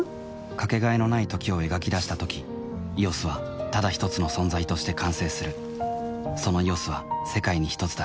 かけがえのない「時」を描き出したとき「ＥＯＳ」はただひとつの存在として完成するその「ＥＯＳ」は世界にひとつだ